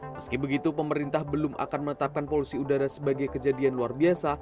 meski begitu pemerintah belum akan menetapkan polusi udara sebagai kejadian luar biasa